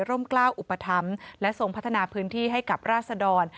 กล้าวอุปถัมภ์และทรงพัฒนาพื้นที่ให้กับราศดร